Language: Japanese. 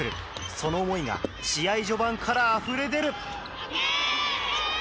その思いが試合序盤からあふれ出る。